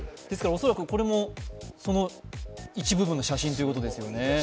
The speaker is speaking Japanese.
恐らくこれもその一部分の写真ということですよね。